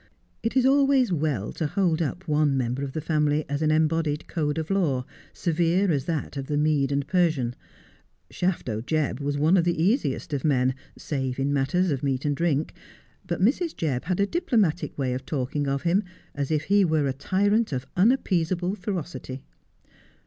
It is always well to hold up one member of the family as an embodied code of law, severe as that of Mede and Persian. Shafto Jebb was one of the easiest of men, save in matters of meat and drink ; but Mrs. Jebb had a diplomatic way of talking of him as if he were a tyrant of unappeasable ferocity.